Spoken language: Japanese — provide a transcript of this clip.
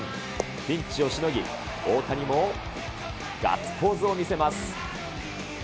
ピンチをしのぎ、大谷もガッツポーズを見せます。